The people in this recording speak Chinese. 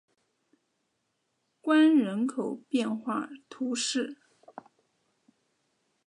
关人口变化图示